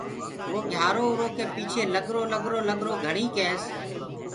وو گھِيارو اُرو ڪي پآڇي لگرو لگرو لگرو گھڻي ڪيس۔